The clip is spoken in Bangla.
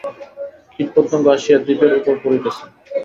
কীট পতঙ্গ আসিয়া দীপের উপর পড়িতেছে।